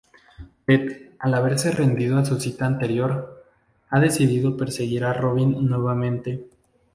Ted, al haberse rendido a su cita anterior, ha decidido perseguir a Robin nuevamente.